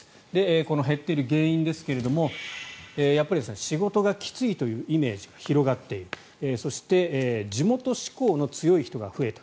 この減っている原因ですがやっぱり仕事がきついというイメージが広がっているそして地元志向の強い人が増えた。